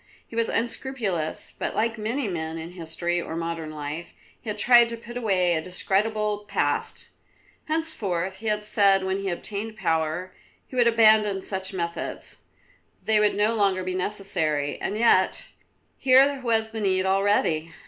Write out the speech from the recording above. He was unscrupulous, but like many men in history or modern life, he had tried to put away a discreditable past. Henceforth, he had said when he obtained power, he would abandon such methods: they would no longer be necessary; and yet, here was the need already.